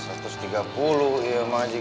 sepuluh ribu ya bang